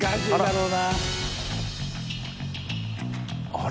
あれ？